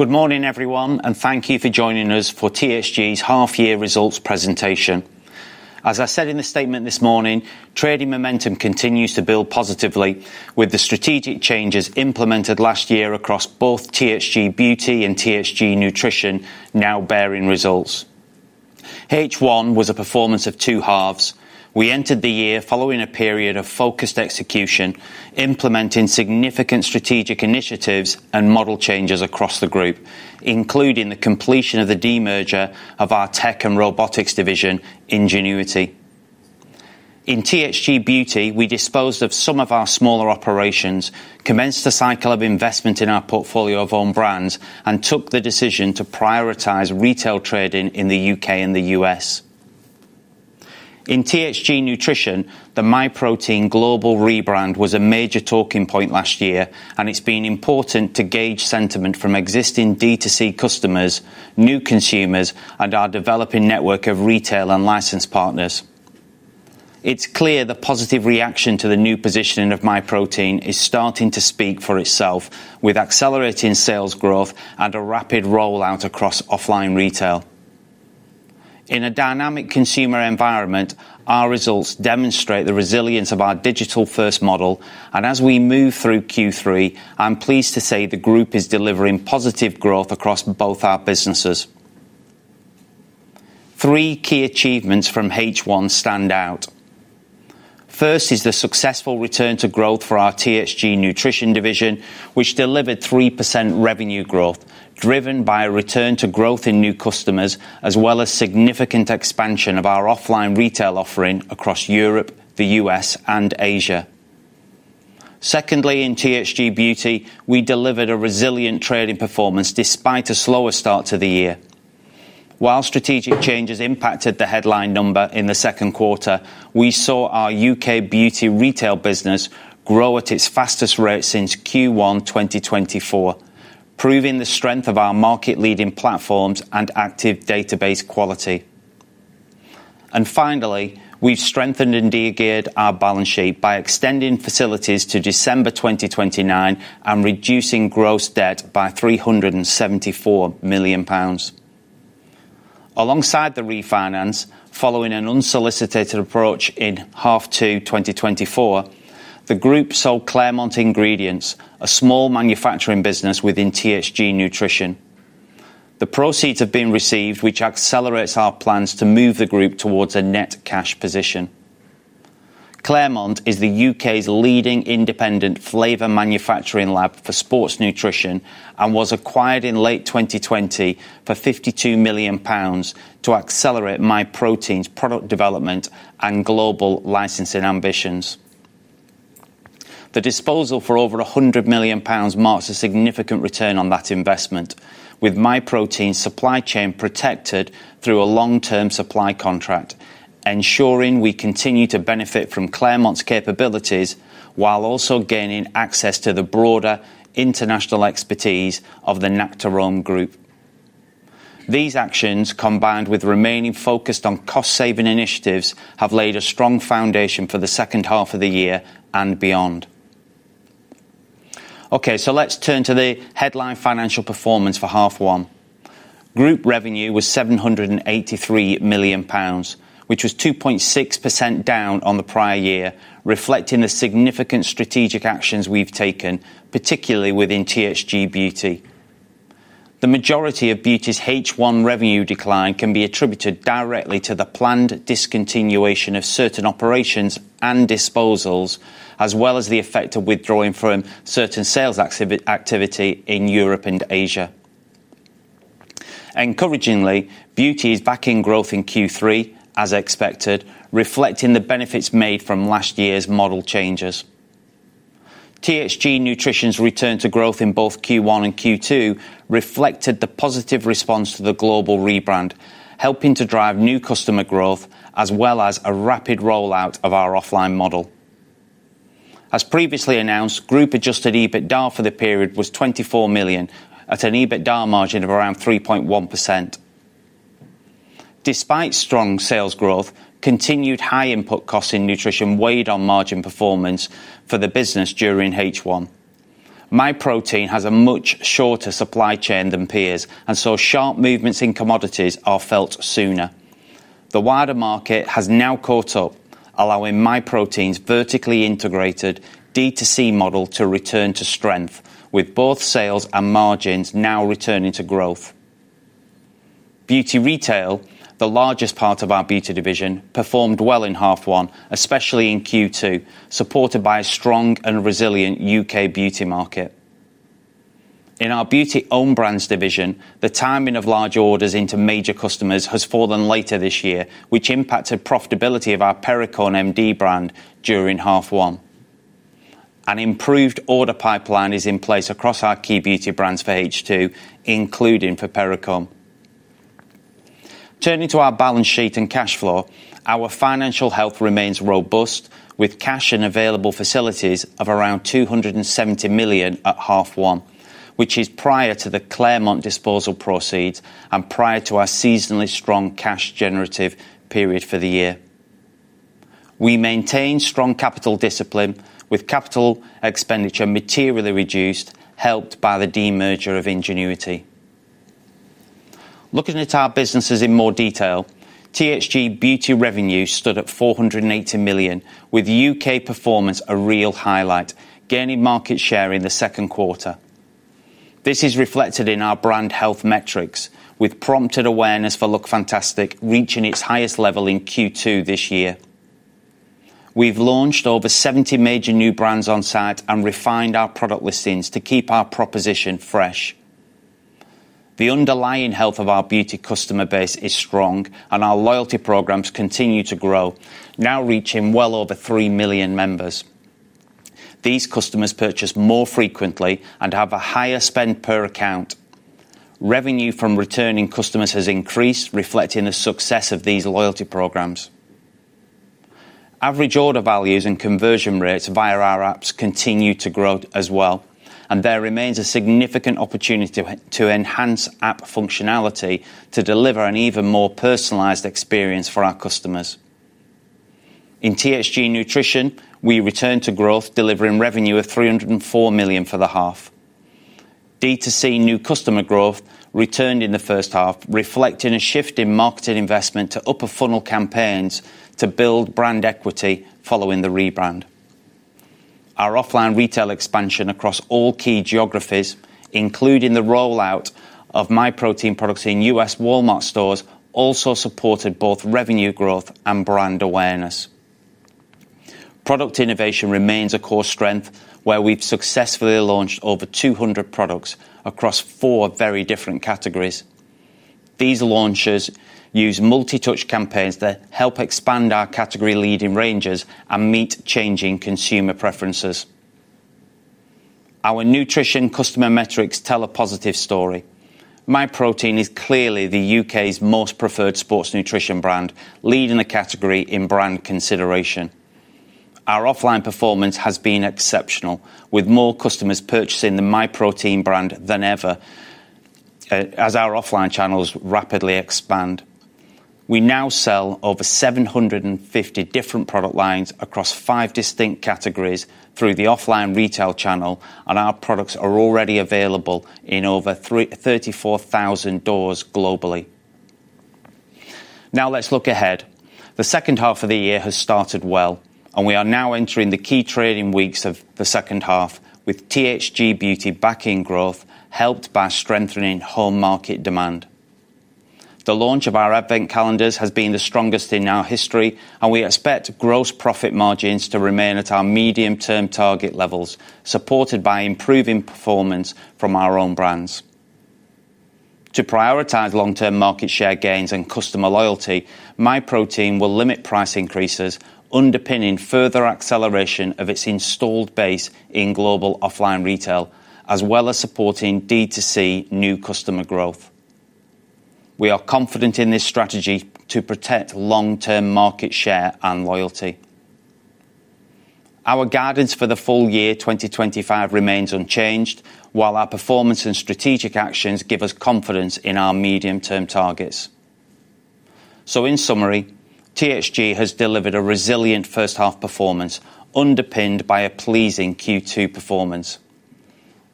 Good morning, everyone, and thank you for joining us for THG's half-Year Results Presentation. As I said in the statement this morning, trading momentum continues to build positively with the strategic changes implemented last year across both THG Beauty and THG Nutrition now bearing results. H1 was a performance of two halves. We entered the year following a period of focused execution, implementing significant strategic initiatives and model changes across the group, including the completion of the demerger of our tech and robotics division, THG Ingenuity. In THG Beauty, we disposed of some of our smaller operations, commenced a cycle of investment in our portfolio of own brands, and took the decision to prioritize retail trading in the U.K., and the U.S. In THG Nutrition, the MyProtein global rebrand was a major talking point last year, and it's been important to gauge sentiment from existing D2C customers, new consumers, and our developing network of retail and licensed partners. It's clear the positive reaction to the new positioning of MyProtein is starting to speak for itself, with accelerating sales growth and a rapid rollout across offline retail. In a dynamic consumer environment, our results demonstrate the resilience of our digital-first model, and as we move through Q3, I'm pleased to say the group is delivering positive growth across both our businesses. Three key achievements from H1 stand out. First is the successful return to growth for our THG Nutrition division, which delivered 3% revenue growth, driven by a return to growth in new customers, as well as significant expansion of our offline retail offering across Europe, the U.S., and Asia. Secondly, in THG Beauty, we delivered a resilient trading performance despite a slower start to the year. While strategic changes impacted the headline number in the second quarter, we saw our U.K., beauty retail business grow at its fastest rate since Q1 2024, proving the strength of our market-leading platforms and active database quality. Finally, we've strengthened and de-aggregated our balance sheet by extending facilities to December 2029 and reducing gross debt by £374 million. Alongside the refinance, following an unsolicited approach in H2, 2024, the group sold Clairmont Ingredients, a small manufacturing business within THG Nutrition. The proceeds have been received, which accelerates our plans to move the group towards a net cash position. Clairmont is the U.K.'s leading independent flavor manufacturing lab for sports nutrition and was acquired in late 2020 for £52 million to accelerate MyProtein's product development and global licensing ambitions. The disposal for over £100 million marks a significant return on that investment, with MyProtein's supply chain protected through a long-term supply contract, ensuring we continue to benefit from Clairmont's capabilities while also gaining access to the broader international expertise of the Nactarome group. These actions, combined with remaining focused on cost-saving initiatives, have laid a strong foundation for the second half of the year and beyond. Okay, let's turn to the headline financial performance for H1. Group revenue was £783 million, which was 2.6% down on the prior year, reflecting the significant strategic actions we've taken, particularly within THG Beauty. The majority of Beauty's H1 revenue decline can be attributed directly to the planned discontinuation of certain operations and disposals, as well as the effect of withdrawing from certain sales activity in Europe and Asia. Encouragingly, Beauty is back in growth in Q3, as expected, reflecting the benefits made from last year's model changes. THG Nutrition's return to growth in both Q1 and Q2 reflected the positive response to the global rebrand, helping to drive new customer growth, as well as a rapid rollout of our offline model. As previously announced, group adjusted EBITDA for the period was £24 million, at an EBITDA margin of around 3.1%. Despite strong sales growth, continued high input costs in nutrition weighed on margin performance for the business during H1. MyProtein has a much shorter supply chain than peers, and so sharp movements in commodities are felt sooner. The wider market has now caught up, allowing MyProtein's vertically integrated D2C model to return to strength, with both sales and margins now returning to growth. Beauty retail, the largest part of our beauty division, performed well in H1, especially in Q2, supported by a strong and resilient U.K., beauty market. In our beauty own brands division, the timing of large orders into major customers has fallen later this year, which impacted profitability of our Perricone MD brand during H1. An improved order pipeline is in place across our key beauty brands for H2, including for Perricone. Turning to our balance sheet and cash flow, our financial health remains robust, with cash and available facilities of around £270 million at H1, which is prior to the Clairmont disposal proceeds and prior to our seasonally strong cash generative period for the year. We maintain strong capital discipline, with capital expenditure materially reduced, helped by the demerger of Ingenuity. Looking at our businesses in more detail, THG Beauty revenue stood at £480 million, with U.K., performance a real highlight, gaining market share in the second quarter. This is reflected in our brand health metrics, with prompted awareness for Lookfantastic reaching its highest level in Q2 this year. We've launched over 70 major new brands on site and refined our product listings to keep our proposition fresh. The underlying health of our beauty customer base is strong, and our loyalty programs continue to grow, now reaching well over three million members. These customers purchase more frequently and have a higher spend per account. Revenue from returning customers has increased, reflecting the success of these loyalty programs. Average order values and conversion rates via our apps continue to grow as well, and there remains a significant opportunity to enhance app functionality to deliver an even more personalized experience for our customers. In THG Nutrition, we returned to growth, delivering revenue of £304 million for the half. D2C new customer growth returned in the first half, reflecting a shift in marketing investment to upper funnel campaigns to build brand equity following the rebrand. Our offline retail expansion across all key geographies, including the rollout of MyProtein products in U.S. Walmart stores, also supported both revenue growth and brand awareness. Product innovation remains a core strength, where we've successfully launched over 200 products across four very different categories. These launches use multi-touch campaigns that help expand our category leading ranges and meet changing consumer preferences. Our nutrition customer metrics tell a positive story. MyProtein is clearly the U.K.'s most preferred sports nutrition brand, leading the category in brand consideration. Our offline performance has been exceptional, with more customers purchasing the MyProtein brand than ever as our offline channels rapidly expand. We now sell over 750 different product lines across five distinct categories through the offline retail channel, and our products are already available in over 34,000 doors globally. Now let's look ahead. The second half of the year has started well, and we are now entering the key trading weeks of the second half, with THG Beauty backing growth, helped by strengthening home market demand. The launch of our advent calendars has been the strongest in our history, and we expect gross profit margins to remain at our medium-term target levels, supported by improving performance from our own brands. To prioritize long-term market share gains and customer loyalty, MyProtein will limit price increases, underpinning further acceleration of its installed base in global offline retail, as well as supporting D2C new customer growth. We are confident in this strategy to protect long-term market share and loyalty. Our guidance for the full year 2025 remains unchanged, while our performance and strategic actions give us confidence in our medium-term targets. In summary, THG has delivered a resilient first half performance, underpinned by a pleasing Q2 performance.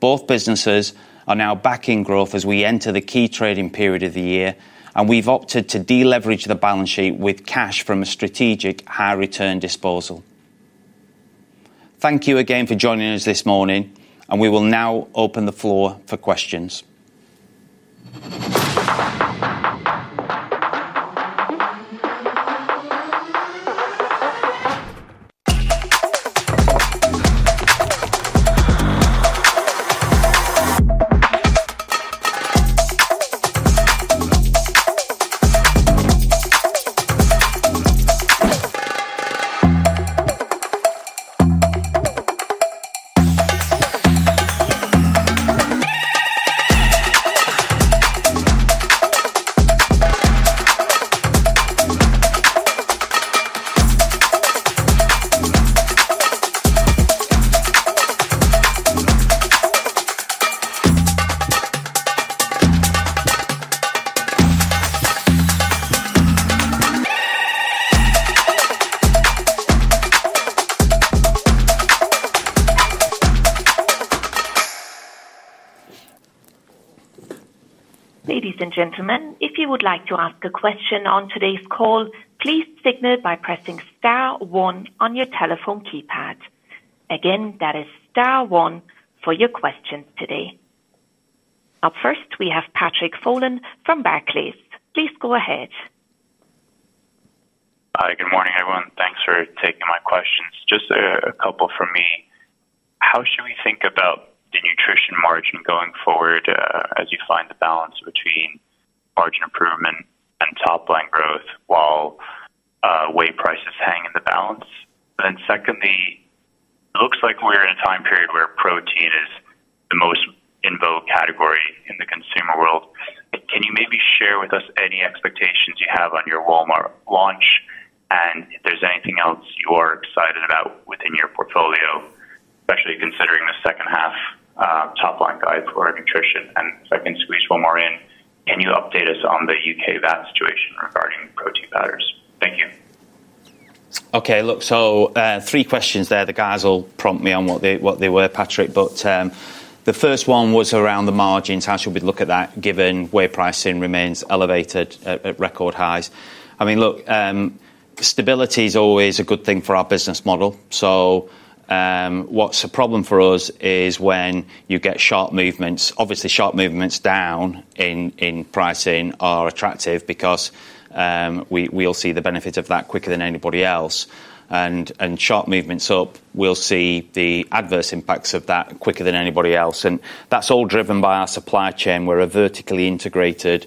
Both businesses are now back in growth as we enter the key trading period of the year, and we've opted to deleverage the balance sheet with cash from a strategic high-return disposal. Thank you again for joining us this morning, and we will now open the floor for questions. Ladies and gentlemen, if you would like to ask a question on today's call, please signal by pressing Star, one on your telephone keypad. Again, that is Star, one for your question today. Up first, we have Patrick Folan from Barclays. Please go ahead. Hi, good morning everyone. Thanks for taking my questions. Just a couple from me. How should we think about the nutrition margin going forward as you find the balance between margin improvement and top line growth while whey prices hang in the balance? Secondly, it looks like we're in a time period where protein is the most in vogue category in the consumer world. Can you maybe share with us any expectations you have on your Walmart launch and if there's anything else you are excited about within your portfolio, especially considering the second half top line guide for our nutrition? If I can squeeze one more in, can you update us on the U.K. VAT situation regarding protein powders? Thank you. Okay, look, so three questions there. The guys will prompt me on what they were, Patrick, but the first one was around the margins. How should we look at that given whey pricing remains elevated at record highs? I mean, look, stability is always a good thing for our business model. What's a problem for us is when you get sharp movements. Obviously, sharp movements down in pricing are attractive because we'll see the benefits of that quicker than anybody else. Sharp movements up, we'll see the adverse impacts of that quicker than anybody else. That's all driven by our supply chain. We're a vertically integrated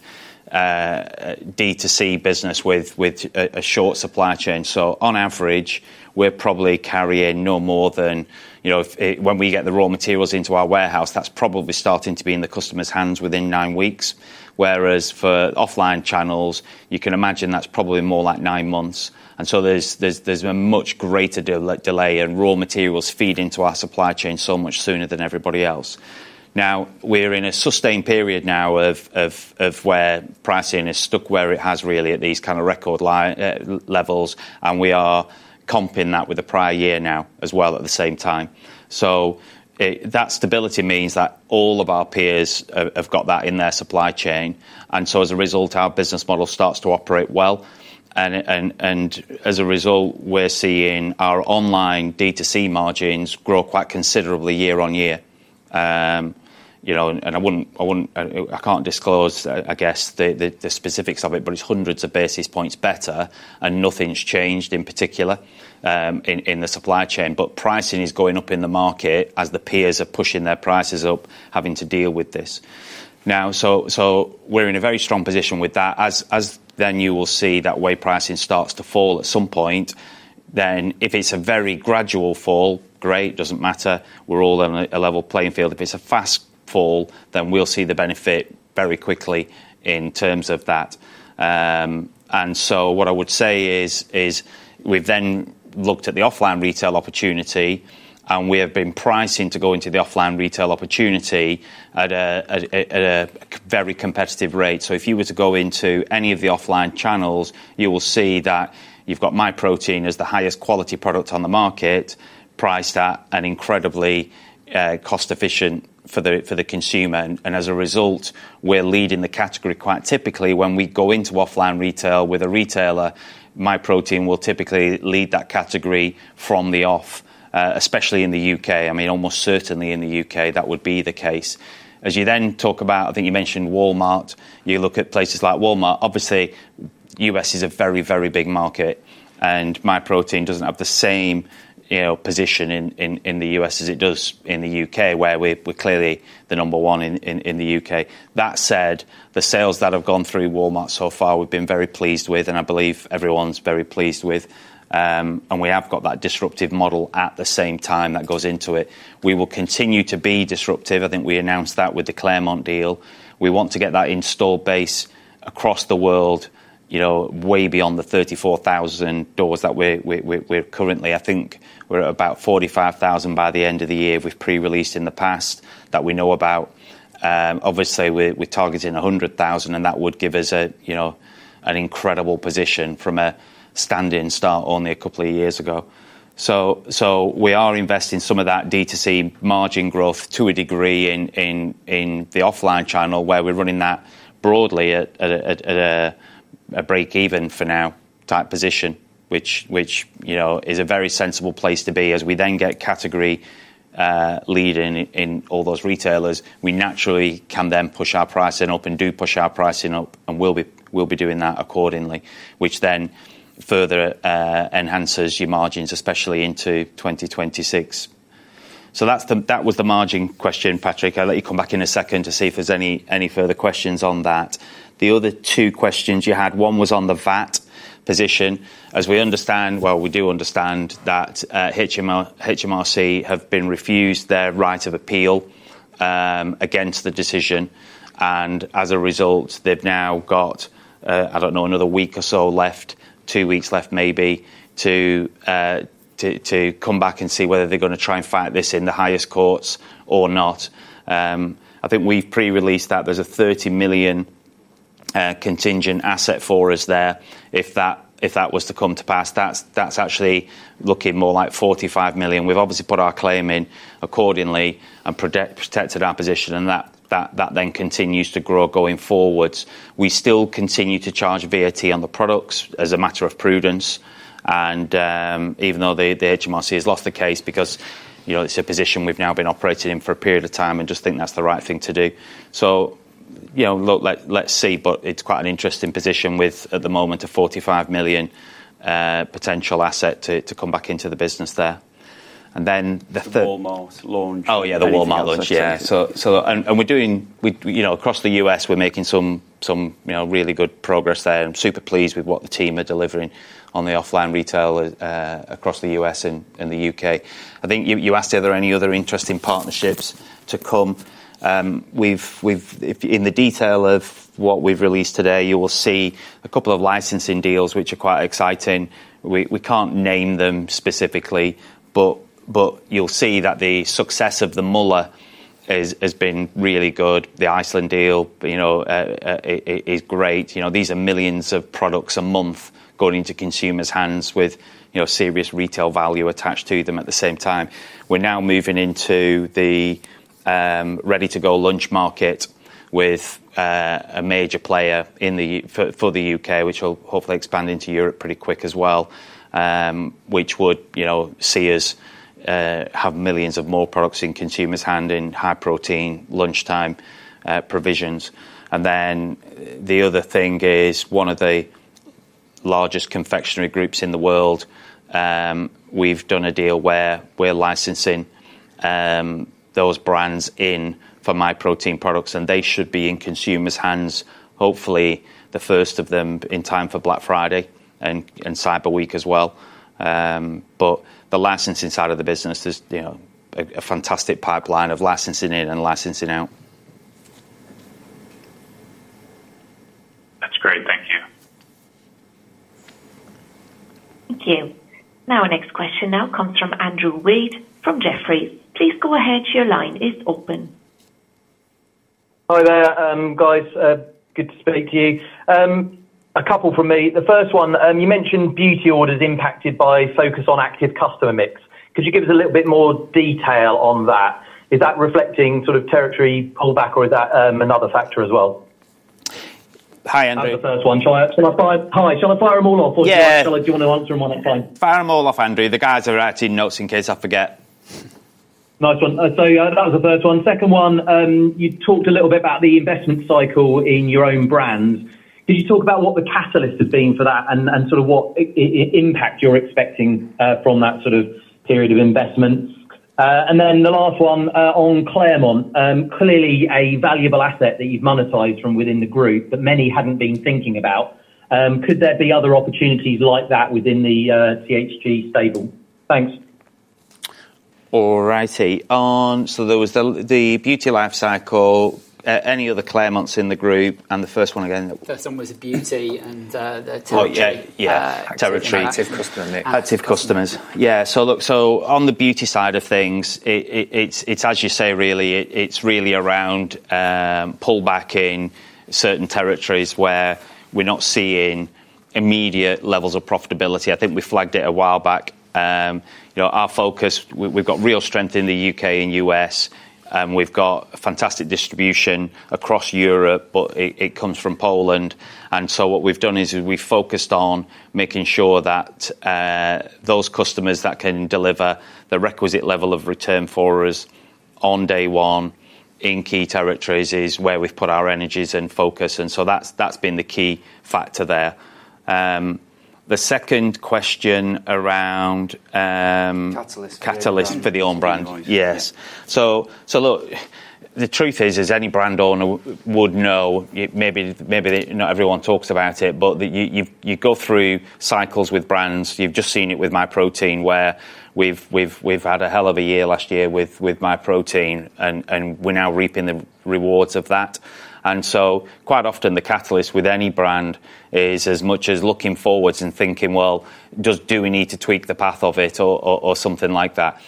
D2C business with a short supply chain. On average, we're probably carrying no more than, you know, when we get the raw materials into our warehouse, that's probably starting to be in the customer's hands within nine weeks. Whereas for offline channels, you can imagine that's probably more like nine months. There's a much greater delay in raw materials feeding to our supply chain so much sooner than everybody else. Now we're in a sustained period now of whey pricing stuck where it has really at these kind of record levels, and we are comping that with the prior year now as well at the same time. That stability means that all of our peers have got that in their supply chain. As a result, our business model starts to operate well. As a result, we're seeing our online D2C margins grow quite considerably year-on-year. You know, and I wouldn't, I can't disclose, I guess, the specifics of it, but it's hundreds of basis points better, and nothing's changed in particular in the supply chain. Pricing is going up in the market as the peers are pushing their prices up, having to deal with this. We're in a very strong position with that. As you will see that whey pricing starts to fall at some point, if it's a very gradual fall, great, doesn't matter. We're all in a level playing field. If it's a fast fall, we'll see the benefit very quickly in terms of that. What I would say is we've then looked at the offline retail opportunity, and we have been pricing to go into the offline retail opportunity at a very competitive rate. If you were to go into any of the offline channels, you will see that you've got MyProtein as the highest quality product on the market, priced at an incredibly cost-efficient for the consumer. As a result, we're leading the category quite typically when we go into offline retail with a retailer. MyProtein will typically lead that category from the off, especially in the U.K. Almost certainly in the U.K., that would be the case. As you then talk about, I think you mentioned Walmart, you look at places like Walmart. Obviously, the U.S. is a very, very big market, and MyProtein doesn't have the same, you know, position in the U.S. as it does in the U.K., where we're clearly the number one in the U.K. That said, the sales that have gone through Walmart so far, we've been very pleased with, and I believe everyone's very pleased with. We have got that disruptive model at the same time that goes into it. We will continue to be disruptive. I think we announced that with the Clairmont deal. We want to get that in-store base across the world, you know, way beyond the 34,000 doors that we're currently. I think we're at about 45,000 by the end of the year with pre-release in the past that we know about. Obviously, we're targeting 100,000, and that would give us an incredible position from a standing start only a couple of years ago. We are investing some of that D2C margin growth to a degree in the offline channel where we're running that broadly at a break-even for now type position, which is a very sensible place to be as we then get category leading in all those retailers. We naturally can then push our pricing up and do push our pricing up, and we'll be doing that accordingly, which then further enhances your margins, especially into 2026. That was the margin question, Patrick. I'll let you come back in a second to see if there's any further questions on that. The other two questions you had, one was on the VAT position. As we understand, HMRC have been refused their right of appeal against the decision. As a result, they've now got, I don't know, another week or so left, two weeks left maybe, to come back and see whether they're going to try and fight this in the highest courts or not. I think we've pre-released that. There's a £30 million contingent asset for us there. If that was to come to pass, that's actually looking more like £45 million. We've obviously put our claim in accordingly and protected our position, and that then continues to grow going forwards. We still continue to charge VAT on the products as a matter of prudence. Even though HMRC has lost the case because, you know, it's a position we've now been operating in for a period of time, I just think that's the right thing to do. Let's see, but it's quite an interesting position with, at the moment, a £45 million potential asset to come back into the business there. Then the third. Walmart launch. Oh yeah, the U.S. Walmart launch, yeah. We're doing, you know, across the U.S., we're making some, you know, really good progress there. I'm super pleased with what the team are delivering on the offline retail across the U.S., and the U.K. I think you asked are there any other interesting partnerships to come. In the detail of what we've released today, you will see a couple of licensing deals, which are quite exciting. We can't name them specifically, but you'll see that the success of the Müller has been really good. The Iceland deal, you know, is great. These are millions of products a month going into consumers' hands with, you know, serious retail value attached to them at the same time. We're now moving into the ready-to-go lunch market with a major player in the U.K., which will hopefully expand into Europe pretty quick as well, which would, you know, see us have millions of more products in consumers' hands in high protein lunchtime provisions. The other thing is one of the largest confectionery groups in the world. We've done a deal where we're licensing those brands in for MyProtein products, and they should be in consumers' hands, hopefully the first of them in time for Black Friday and Cyber Week as well. The licensing side of the business is, you know, a fantastic pipeline of licensing in and licensing out. That's great, thank you. Thank you. Our next question comes from Andrew Wade from Jefferies. Please go ahead, your line is open. Hi there, guys. Good to speak to you. A couple from me. The first one, you mentioned beauty orders impacted by focus on active customer mix. Could you give us a little bit more detail on that? Is that reflecting sort of territory pullback, or is that another factor as well? Hi, Andrew. That's the first one. Should I fire them all off, or do you want to answer them one at a time? Fire them all off, Andrew. The guys are writing notes in case I forget. Nice one. That was the first one. Second one, you talked a little bit about the investment cycle in your own brands. Could you talk about what the catalyst has been for that and what impact you're expecting from that period of investment? The last one on Clairmont, clearly a valuable asset that you've monetized from within the group that many hadn't been thinking about. Could there be other opportunities like that within the THG stable? Thanks. Alrighty. There was the beauty life cycle, any other Clairmont in the group, and the first one again. Their song was a beauty and their territory. Yeah, territory to customers, yeah. Look, on the beauty side of things, it's, as you say, really, it's really around pullback in certain territories where we're not seeing immediate levels of profitability. I think we flagged it a while back. You know, our focus, we've got real strength in the U.K., and U.S., and we've got a fantastic distribution across Europe, but it comes from Poland. What we've done is we've focused on making sure that those customers that can deliver the requisite level of return for us on day one in key territories is where we've put our energies and focus. That's been the key factor there. The second question around catalyst for the own brand. Yes. The truth is, as any brand owner would know, maybe not everyone talks about it, but you go through cycles with brands. You've just seen it with MyProtein, where we've had a hell of a year last year with MyProtein, and we're now reaping the rewards of that. Quite often the catalyst with any brand is as much as looking forwards and thinking, do we need to tweak the path of it or something like that?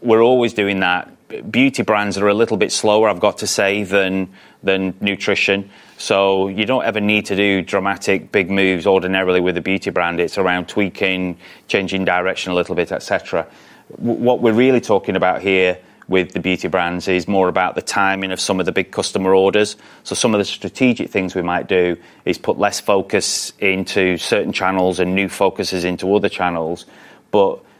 We're always doing that. Beauty brands are a little bit slower, I've got to say, than nutrition. You don't ever need to do dramatic big moves ordinarily with a beauty brand. It's around tweaking, changing direction a little bit, etc. What we're really talking about here with the beauty brands is more about the timing of some of the big customer orders. Some of the strategic things we might do is put less focus into certain channels and new focuses into other channels. The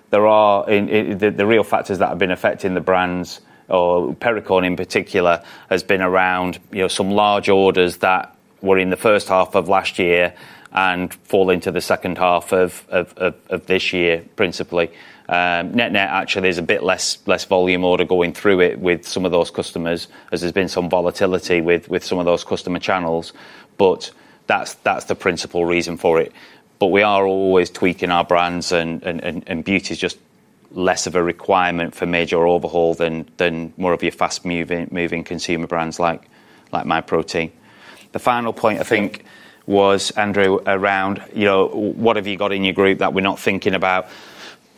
real factors that have been affecting the brands, or Perricone in particular, has been around some large orders that were in the first half of last year and fall into the second half of this year, principally. NetNet actually is a bit less volume order going through it with some of those customers, as there's been some volatility with some of those customer channels. That's the principal reason for it. We are always tweaking our brands, and beauty is just less of a requirement for major overhaul than more of your fast-moving consumer brands like MyProtein. The final point, I think, was, Andrew, around what have you got in your group that we're not thinking about?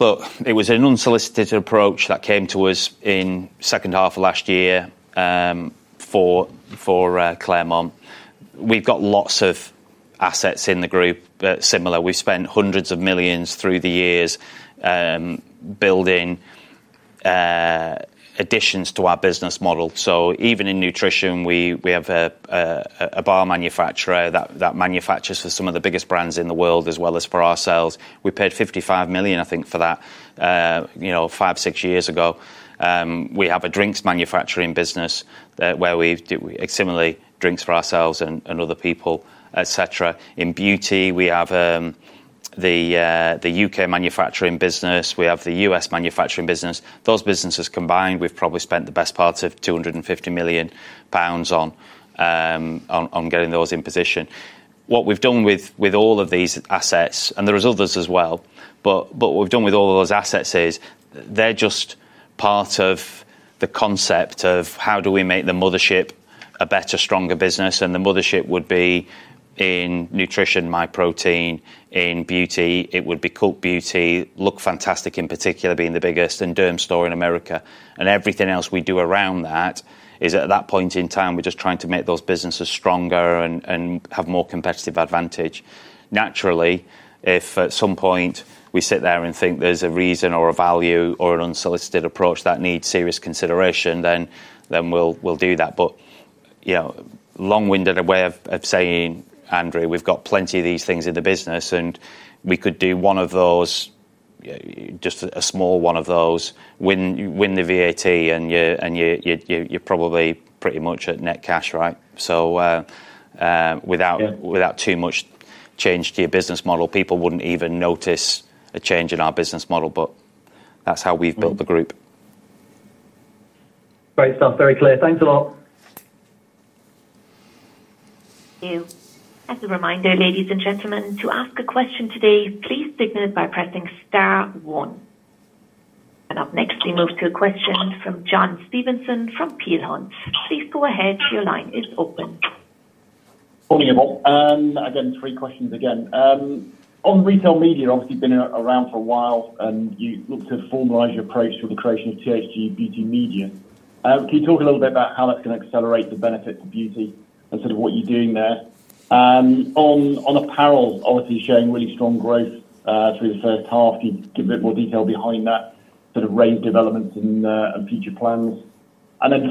It was an unsolicited approach that came to us in the second half of last year for Clairmont. We've got lots of assets in the group, but similarly, we've spent hundreds of millions through the years building additions to our business model. Even in nutrition, we have a bar manufacturer that manufactures for some of the biggest brands in the world, as well as for ourselves. We paid £55 million, I think, for that, you know, five, six years ago. We have a drinks manufacturing business where we similarly drink for ourselves and other people, etc. In beauty, we have the U.K., manufacturing business. We have the U.S., manufacturing business. Those businesses combined, we've probably spent the best part of £250 million on getting those in position. What we've done with all of these assets, and there are others as well, is they're just part of the concept of how do we make the mothership a better, stronger business. The mothership would be in nutrition, MyProtein. In beauty, it would be Cult Beauty, Lookfantastic in particular being the biggest, and Dermstore in America. Everything else we do around that is at that point in time, we're just trying to make those businesses stronger and have more competitive advantage. Naturally, if at some point we sit there and think there's a reason or a value or an unsolicited approach that needs serious consideration, then we'll do that. Long-winded way of saying, Andrew, we've got plenty of these things in the business, and we could do one of those, just a small one of those, win the VAT, and you're probably pretty much at net cash, right? Without too much change to your business model, people wouldn't even notice a change in our business model, but that's how we've built the group. Great stuff, very clear. Thanks a lot. Thank you. As a reminder, ladies and gentlemen, to ask a question today, please signal it by pressing Star, one. Up next, we move to a question from John Stevenson from Peel Hunt. Please go ahead, your line is open. Only a bit. Again, three questions again. On retail media, obviously, you've been around for a while, and you look to formalize your approach to the creation of THG Beauty Media. Can you talk a little bit about how that's going to accelerate the benefit of beauty and sort of what you're doing there? On apparel, obviously, showing really strong growth through the first half. Can you give a bit more detail behind that, sort of rave developments and future plans?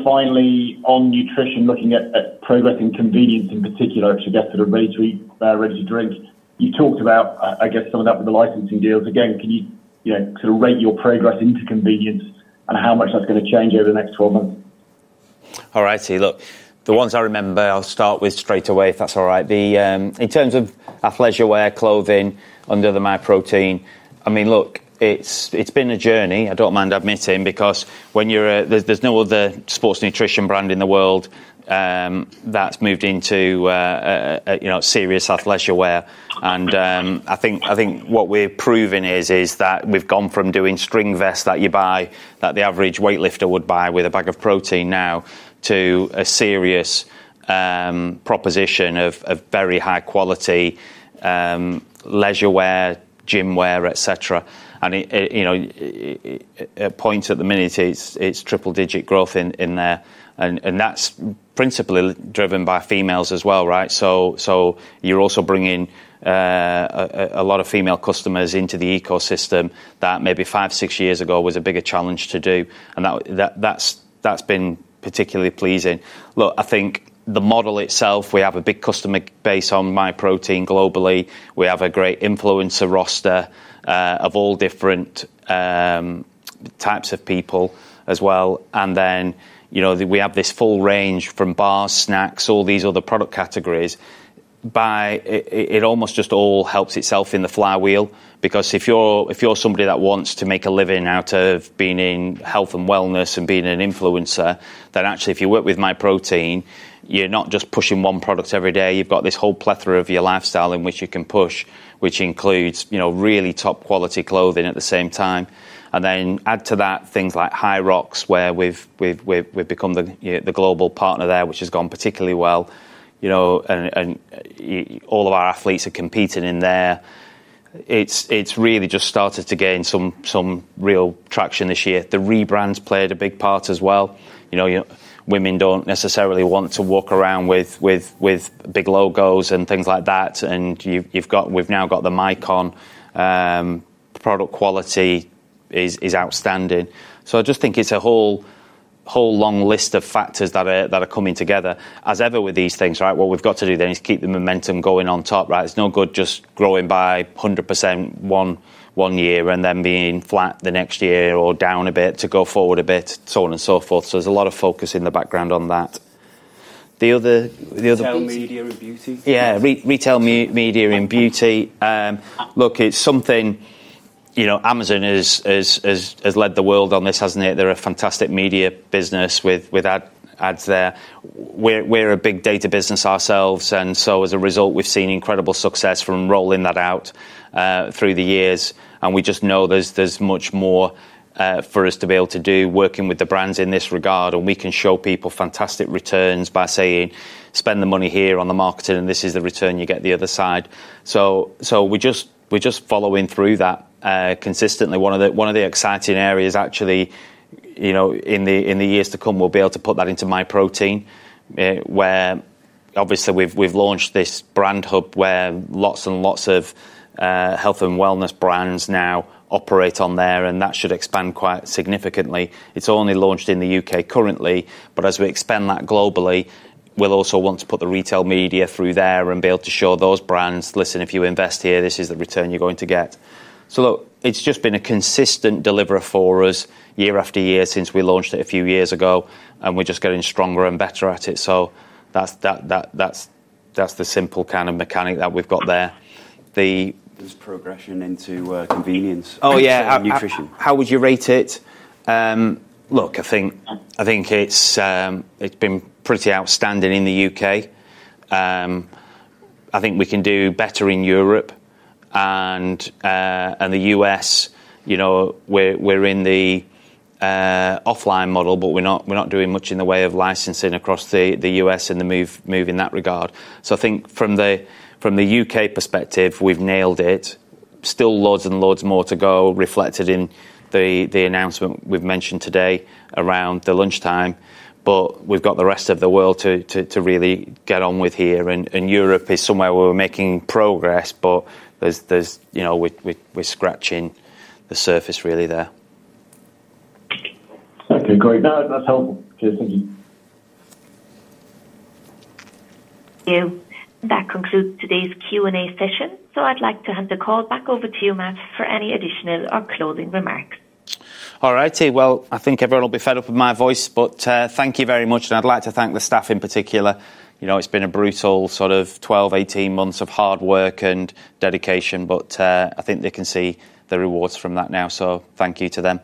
Finally, on nutrition, looking at progressing convenience in particular, which I guess sort of ready-to-eat drinks, you talked about, I guess, some of that with the licensing deals. Again, can you sort of rate your progress into convenience and how much that's going to change over the next 12 months? Alrighty, look, the ones I remember, I'll start with straight away, if that's all right. In terms of our leisure wear clothing under MyProtein, I mean, look, it's been a journey, I don't mind admitting, because when you're a, there's no other sports nutrition brand in the world that's moved into, you know, serious athleisure wear. I think what we're proving is that we've gone from doing string vests that you buy, that the average weightlifter would buy with a bag of protein now, to a serious proposition of very high quality leisure wear, gym wear, etc. At points at the minute, it's triple-digit growth in there. That's principally driven by females as well, right? You're also bringing a lot of female customers into the ecosystem that maybe five, six years ago was a bigger challenge to do. That's been particularly pleasing. I think the model itself, we have a big customer base on MyProtein globally. We have a great influencer roster of all different types of people as well. We have this full range from bars, snacks, all these other product categories. It almost just all helps itself in the flywheel because if you're somebody that wants to make a living out of being in health and wellness and being an influencer, then actually if you work with MyProtein, you're not just pushing one product every day. You've got this whole plethora of your lifestyle in which you can push, which includes, you know, really top quality clothing at the same time. Add to that things like High Rocks, where we've become the global partner there, which has gone particularly well. All of our athletes are competing in there. It's really just started to gain some real traction this year. The rebrand's played a big part as well. Women don't necessarily want to walk around with big logos and things like that. We've now got the Mycon product quality is outstanding. I just think it's a whole long list of factors that are coming together as ever with these things, right? What we've got to do then is keep the momentum going on top, right? It's no good just growing by 100% one year and then being flat the next year or down a bit to go forward a bit, so on and so forth. There's a lot of focus in the background on that. Retail media in beauty? Yeah, retail media in beauty. Look, it's something, you know, Amazon has led the world on this, hasn't it? They're a fantastic media business with ads there. We're a big data business ourselves, and as a result, we've seen incredible success from rolling that out through the years. We just know there's much more for us to be able to do working with the brands in this regard, and we can show people fantastic returns by saying, spend the money here on the marketing, and this is the return you get the other side. We're just following through that consistently. One of the exciting areas actually, you know, in the years to come, we'll be able to put that into MyProtein, where obviously we've launched this brand hub where lots and lots of health and wellness brands now operate on there, and that should expand quite significantly. It's only launched in the U.K., currently, but as we expand that globally, we'll also want to put the retail media through there and be able to show those brands, listen, if you invest here, this is the return you're going to get. It's just been a consistent deliverer for us year after year since we launched it a few years ago, and we're just getting stronger and better at it. That's the simple kind of mechanic that we've got there. There's progression into convenience. Oh yeah, how would you rate it? Look, I think it's been pretty outstanding in the U.K. I think we can do better in Europe and the U.S. We're in the offline model, but we're not doing much in the way of licensing across the U.S., and the move in that regard. I think from the U.K., perspective, we've nailed it. Still loads and loads more to go, reflected in the announcement we've mentioned today around the lunchtime, but we've got the rest of the world to really get on with here. Europe is somewhere where we're making progress, but there's, you know, we're scratching the surface really there. Okay, great. No, that's helpful. Okay, thank you. Thank you. That concludes today's Q&A session. I'd like to hand the call back over to you, Matt, for any additional or closing remarks. Alrighty, I think everyone will be fed up with my voice, but thank you very much. I'd like to thank the staff in particular. You know, it's been a brutal sort of 12, 18 months of hard work and dedication, but I think they can see the rewards from that now. Thank you to them.